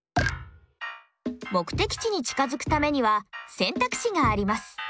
目的地に近づくためには選択肢があります。